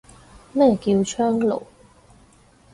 乜叫窗爐